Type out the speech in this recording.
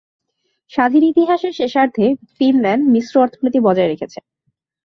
স্বাধীন ইতিহাসের শেষার্ধে ফিনল্যান্ড মিশ্র অর্থনীতি বজায় রেখেছে।